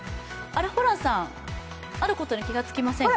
ホランさん、あることに気がつきませんか？